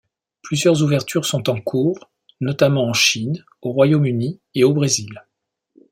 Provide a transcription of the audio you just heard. Plusieurs ouverture sont en cours, notamment en Chine, au Royaume-Uni et au Brésil.